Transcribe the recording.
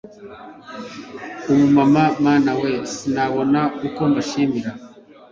Umumama mana we sinabona uko mbashimira